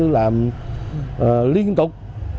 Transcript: làm liên tục